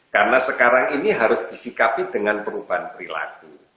karena sekarang ini harus disikapi dengan perubahan perilaku